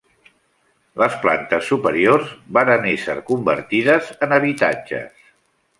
Les plantes superiors varen ésser convertides en habitatges.